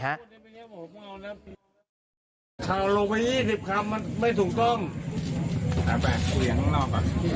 ไม่จบหลังเหลือแล้วผมหาวันเองผมรู้